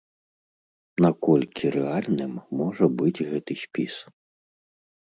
Наколькі рэальным можа быць гэты спіс?